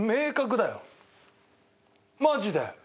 マジで。